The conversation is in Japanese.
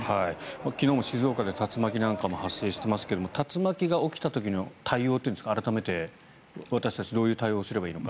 昨日も静岡で竜巻なんかも発生していますが竜巻が起きた時の対応は改めて私たちはどういう対応をすればいいのか。